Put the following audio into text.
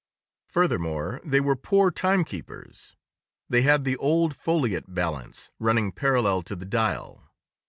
Furthermore, they were poor timekeepers. They had the old foliot balance running parallel to the dial.